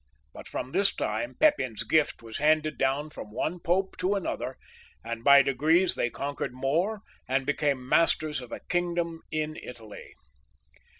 But from this time Pepin's gift' was handed down from one ^ope to another, and by degrees they conquered more, and became masters of a kingdom in Italy.